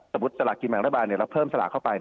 สมมุติสละกินแมงระบาลเราเพิ่มสละเข้าไป